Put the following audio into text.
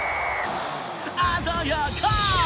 鮮やか。